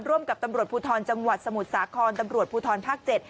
ร่วมกับตำรวจภูทรจังหวัดสมุทรสาครตำรวจภูทรภาค๗